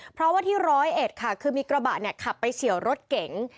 เพราะว่าที่ร้อยเอ็ดค่ะคือมีกระบะเนี่ยขับไปเฉียวรถเก๋ง